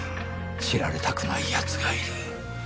知られたくない奴がいる。